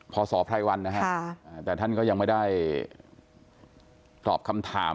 ศไพรวันนะฮะแต่ท่านก็ยังไม่ได้ตอบคำถาม